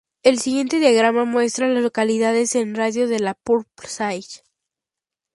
El siguiente diagrama muestra a las localidades en un radio de de Purple Sage.